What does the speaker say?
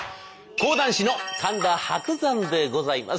講談師の神田伯山でございます。